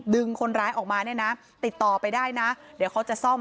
ดึงคนร้ายออกมาเนี่ยนะติดต่อไปได้นะเดี๋ยวเขาจะซ่อม